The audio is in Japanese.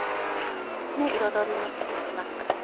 彩りになりますからね。